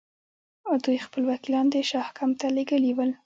دوی خپل وکیلان د شاه کمپ ته لېږلي ول.